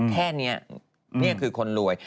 แค่นี้นี่คือคนรวย